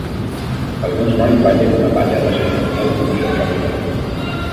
Alguns nois ballen una ballada cerimonial en una cercavila